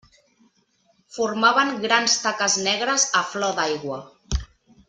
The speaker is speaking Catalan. Formaven grans taques negres a flor d'aigua.